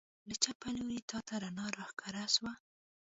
له چپ لوري تته رڼا راښکاره سوه.